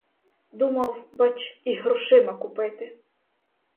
Думав, бач, їх грошима купити.